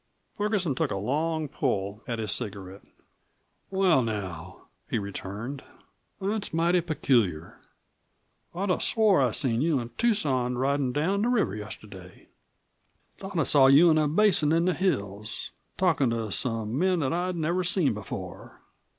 Ferguson took a long pull at his cigarette. "Well, now," he returned, "that's mighty peculiar. I'd have swore that I seen you an' Tucson ridin' down the river yesterday. Thought I saw you in a basin in the hills, talkin' to some men that I'd never seen before.